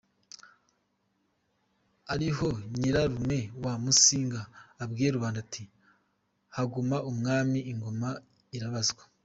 Ariho nyirarume wa Musinga abwiye rubanda ati: “Haguma umwami, ingoma irabazwa”.